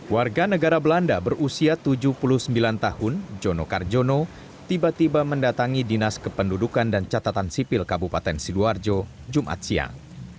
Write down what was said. warga negara belanda berusia tujuh puluh sembilan tahun jono karjono tiba tiba mendatangi dinas kependudukan dan catatan sipil kabupaten sidoarjo jumat siang